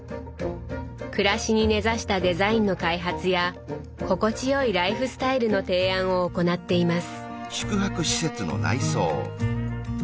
暮らしに根ざしたデザインの開発や心地よいライフスタイルの提案を行っています。